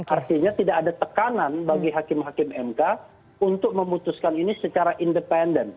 artinya tidak ada tekanan bagi hakim hakim mk untuk memutuskan ini secara independen